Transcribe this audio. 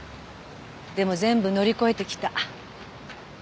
でも全部乗り越えてきた。